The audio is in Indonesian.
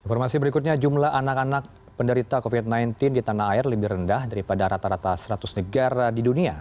informasi berikutnya jumlah anak anak penderita covid sembilan belas di tanah air lebih rendah daripada rata rata seratus negara di dunia